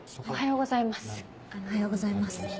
おはようございます。